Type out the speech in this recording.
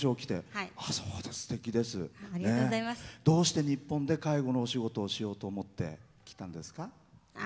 どうして日本で介護のお仕事をしようと思って来たんですか？